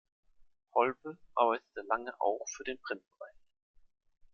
Holbe arbeitete lange auch für den Print-Bereich.